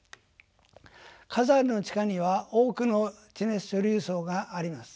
火山の地下には多くの地熱貯留層があります。